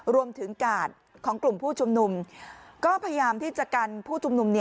รวมถึงกาดของกลุ่มผู้ชุมนุมก็พยายามที่จะกันผู้ชุมนุม